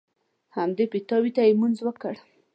همدې پیتاوي ته یې لمونځ وکړ.